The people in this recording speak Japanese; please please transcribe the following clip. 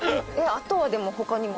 あとはでも他にも？